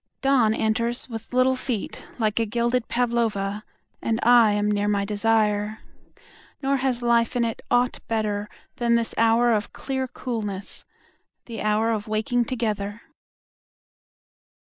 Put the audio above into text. Dawn enters with little feetlike a gilded Pavlova, And I am near my desire. Nor has life in it aught betterThan this hour of clear coolness, the hour of waking together.